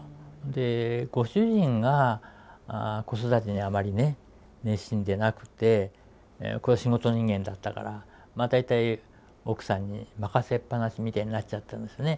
でご主人が子育てにあまり熱心でなくて仕事人間だったから大体奥さんに任せっぱなしみたいになっちゃったんですね。